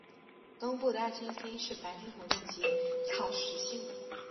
东部大猩猩是白天活动及草食性的。